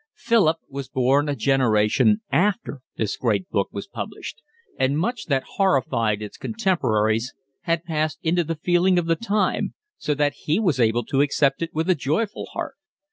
Philip was born a generation after this great book was published, and much that horrified its contemporaries had passed into the feeling of the time, so that he was able to accept it with a joyful heart.